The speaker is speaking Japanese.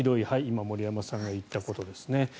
今、森山さんが言ったことですね。